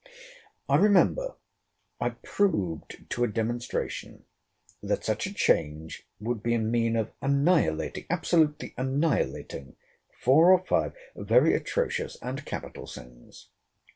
I remember I proved to a demonstration, that such a change would be a mean of annihilating, absolutely annihilating, four or five very atrocious and capital sins.